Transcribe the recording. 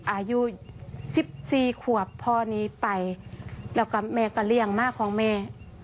อายุสิบสี่ขวบพ่อนี้ไปแล้วก็แม่ก็เลี่ยงมาของแม่